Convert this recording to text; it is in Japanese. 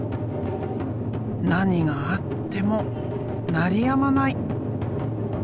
何があっても鳴りやまない！